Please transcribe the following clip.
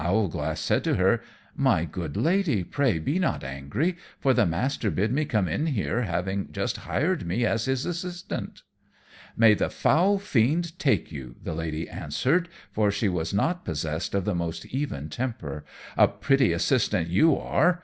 Owlglass said to her, "My good Lady, pray be not angry, for the master bid me come in here, having just hired me as his assistant." "May the foul fiend take you," the lady answered, for she was not possessed of the most even temper, "a pretty assistant you are.